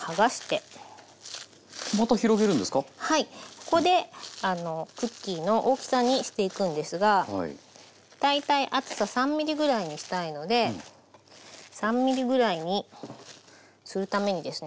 ここでクッキーの大きさにしていくんですが大体厚さ３ｍｍぐらいにしたいので３ｍｍぐらいにするためにですね